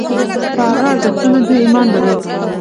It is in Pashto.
په هغه ارزښتونو دوی ایمان درلود.